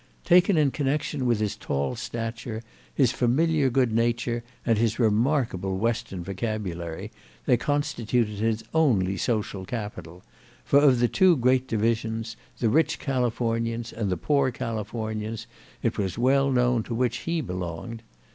Taken in connexion with his tall stature, his familiar good nature and his remarkable Western vocabulary they constituted his only social capital; for of the two great divisions, the rich Californians and the poor Californians, it was well known to which he belonged.